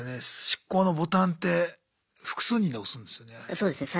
執行のボタンって複数人で押すんですよね。